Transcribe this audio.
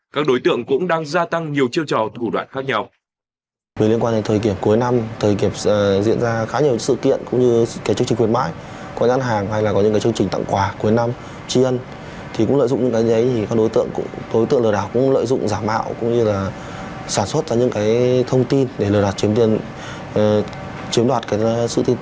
các đối tượng cũng đang gia tăng nhiều chiêu trò thủ đoạn khác nhau